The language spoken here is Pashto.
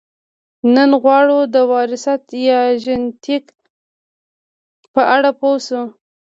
نن غواړو د وراثت یا ژنیتیک په اړه پوه شو